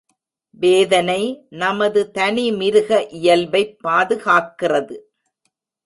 வேதனை நமது தனி மிருக இயல்பைப் பாதுகாக்கிறது.